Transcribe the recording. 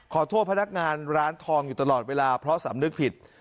พนักงานร้านทองอยู่ตลอดเวลาเพราะสำนึกผิด